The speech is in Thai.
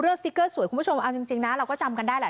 สติ๊กเกอร์สวยคุณผู้ชมเอาจริงนะเราก็จำกันได้แหละ